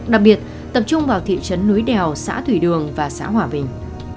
đặc biệt tập trung vào thị trấn núi đèo xã thủy đường và xã hòa bình